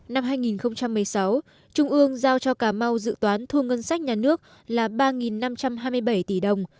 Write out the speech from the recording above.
năm hai nghìn một mươi sáu trung ương giao cho cà mau dự toán thu ngân sách nhà nước là ba năm trăm hai mươi bảy tỷ đồng